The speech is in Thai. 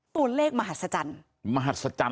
ตัวเลขมหัศจรรย์